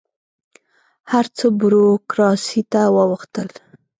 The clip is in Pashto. هر څه بروکراسي ته واوښتل.